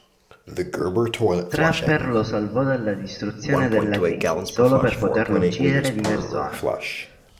Trapper lo salvò dalla distruzione della Crisi, solo per poterlo uccidere di persona.